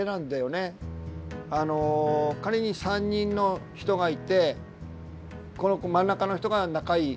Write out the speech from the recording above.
あの仮に３人の人がいてこの真ん中の人が仲いい。